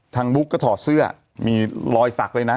บุ๊กก็ถอดเสื้อมีรอยสักเลยนะ